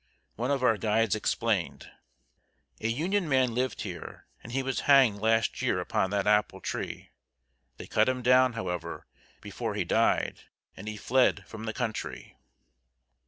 One of our guides explained: "A Union man lived here, and he was hanged last year upon that apple tree. They cut him down, however, before he died, and he fled from the country."